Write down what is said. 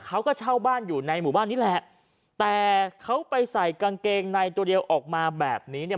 เขาก็เช่าบ้านอยู่ในหมู่บ้านนี่แหละแต่เขาไปใส่กางเกงในตัวเดียวออกมาแบบนี้เนี่ย